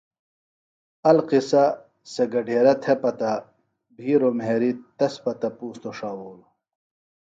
القصہ سےۡ گھڈیرہ تھےۡ پتہ بھیروۡ مھیریۡ تس پتہ پُوستوۡ ݜاوولوۡ